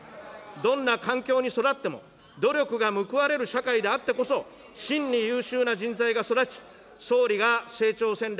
どんな環境に育っても、努力が報われる社会であってこそ、真に優秀な人材が育ち、総理が成長戦略